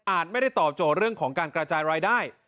ไม่ได้ตอบโจทย์เรื่องของการกระจายรายได้